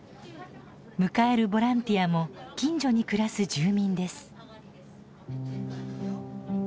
迎えるボランティアも近所に暮らす住民です。